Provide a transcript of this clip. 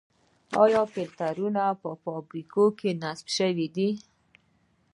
آیا فلټرونه په فابریکو کې نصب دي؟